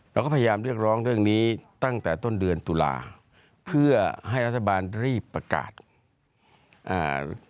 เราก็พยายามเรียกร้องเรื่องนี้ตั้งแต่ต้นเดือนตุลาเพื่อให้รัฐบาลรีบประกาศอ่า